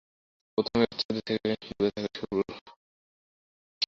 প্রথমে, ওই বাচ্চাদের থেকে দুরে থাকো, সুগুরু।